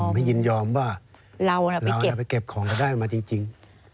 ไม่ยินยอมว่าเราจะไปเก็บของก็ได้มาจริง